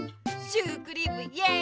シュークリームイエイ！